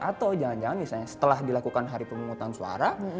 atau jangan jangan misalnya setelah dilakukan hari pemungutan suara